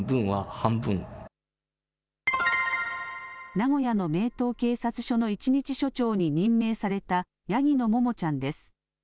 名古屋の名東警察署の一日署長に任命されたヤギのももちゃんです。